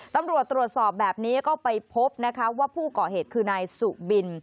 ตำรวจตรวจสอบแบบนี้ก็ไปพบนะคะว่าผู้ก่อเหตุคือนายสุบิน